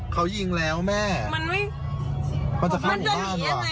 เตือนหมดดูอาสุนหมด